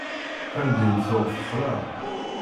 Tamdint tuɣ texla.